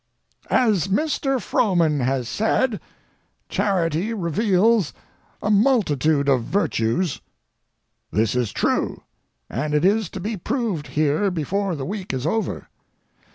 As Mr. Frohman has said, charity reveals a multitude of virtues. This is true, and it is to be proved here before the week is over.